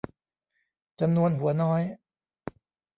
จำนวนหัวน้อย